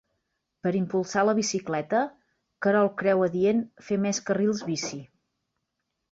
Per impulsar la bicicleta, Querol creu adient fer més carrils bici.